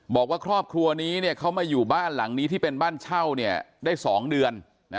บอกว่าครอบครัวนี้เขามาอยู่บ้านหลังนี้ที่เป็นบ้านเช่าได้๒เดือน